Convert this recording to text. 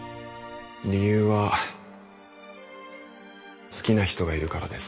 理由は好きな人がいるからです